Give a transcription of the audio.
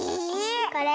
これ？